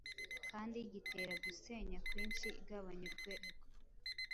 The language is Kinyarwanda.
kandi gitera gusenya kwinshi Igabanya urwego